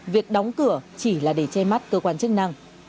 việc đóng cửa chỉ là để che mắt cơ quan chức năng